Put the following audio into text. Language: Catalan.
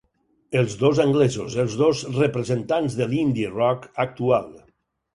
Els dos anglesos, els dos representants de l’indie rock actual.